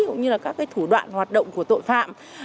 cũng như là các thủ đoạn hoạt động của tội phạm